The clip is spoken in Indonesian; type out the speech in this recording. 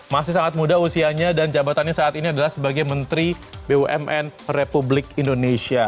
masih sangat muda usianya dan jabatannya saat ini adalah sebagai menteri bumn republik indonesia